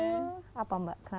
dengan tidak pandangan